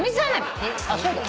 あっそうだ。